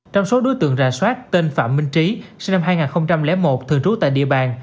trong số đối tượng rà soát tên phạm minh trí sinh năm hai nghìn một thường trú tại địa bàn